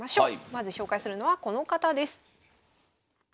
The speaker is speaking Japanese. まず紹介するのはこの方です。